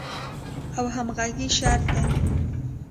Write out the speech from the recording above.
او همغږۍ شرط دی.